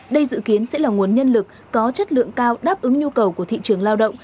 đây dự kiến sẽ là nguồn nhân lực có chất lượng cao đáp ứng nhu cầu của thị trường lao động